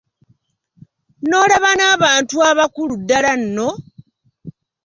N’olaba n’abantu abakulu ddala nno!